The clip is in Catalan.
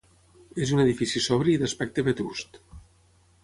És un edifici sobri i d'aspecte vetust.